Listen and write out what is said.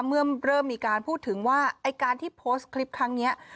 เมื่อเริ่มมีการพูดถึงว่าไอ้การที่โพสต์คลิปครั้งนี้